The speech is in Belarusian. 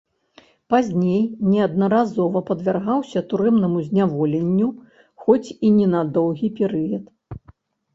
Пазней неаднаразова падвяргаўся турэмнаму зняволенню, хоць і не на доўгі перыяд.